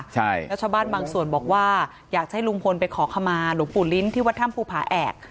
แล้วชาวบ้านบางส่วนบอกว่าอยากจะให้ลุงพลไปขอขมาหลวงปู่ลิ้นที่วัดถ้ำภูผาแอก